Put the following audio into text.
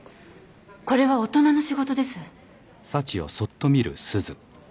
これは大人の仕事です。